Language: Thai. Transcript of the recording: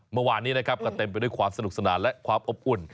เมื่อวานนี้นะครับก็เต็มไปด้วยความสนุกสนานและความอบอุ่น